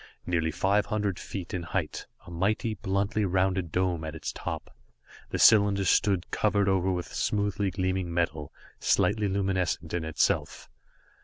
Nearly five hundred feet in height, a mighty, bluntly rounded dome at its top, the cylinder stood, covered over with smoothly gleaming metal, slightly luminescent in itself.